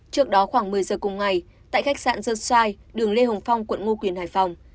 trước đó khoảng một mươi giờ cùng ngày tại khách sạn giơ sai đường lê hồng phong quận ngô quyền hải phòng